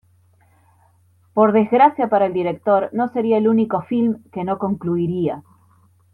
Por desgracia para el director, no sería el único film que no concluiría.